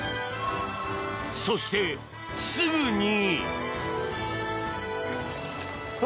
そして、すぐに。